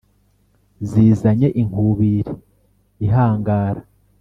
zizanye inkubiri ihangara